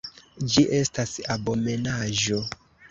Ĝi estas abomenaĵo!